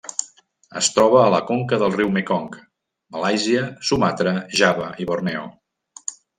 Es troba a la conca del riu Mekong, Malàisia, Sumatra, Java i Borneo.